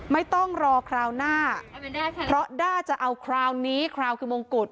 ไม่ต้องรอคราวหน้าเพราะด้าจะเอาคราวนี้คราวคือมงกุฎ